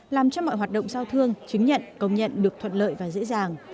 làm cho mọi hoạt động giao thương chứng nhận công nhận được thuận lợi và dễ dàng